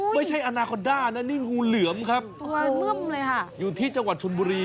ไม่ใช่อานาคอร์ด้านั่นนี่มีงูเหลือมครับอยู่ที่จังหวัดชนบุรี